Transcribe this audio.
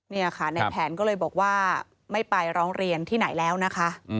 นี่ค่ะในแผนก็เลยบอกว่าไม่ไปร้องเรียนที่ไหนแล้วนะคะ